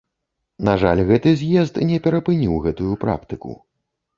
На жаль, гэты з'езд не перапыніў гэтую практыку.